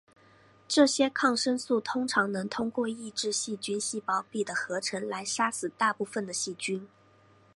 这些抗生素通常能通过抑制细菌细胞壁的合成来杀死大部分的细菌。